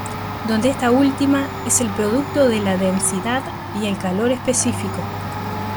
Donde esta última es el producto de la densidad y el calor específico.